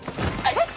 えっ！？